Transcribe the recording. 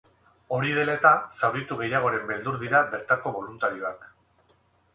Hori dela eta, zauritu gehiagoren beldur dira bertako boluntarioak.